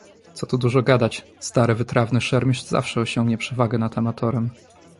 "Co tu dużo gadać, stary wytrawny szermierz zawsze osiągnie przewagę nad amatorem."